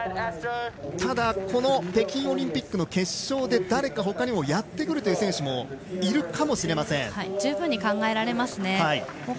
ただ、北京オリンピックの決勝で誰かほかにもやってくるという選手も十分考えられますね。